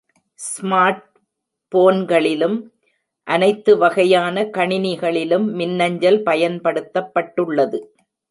ஸ்மார்ட்போன்களிலும், அனைத்து வகையான கணினிகளிலும் மின்னஞ்சல் பயன்படுத்தப்பட்டுள்ளது.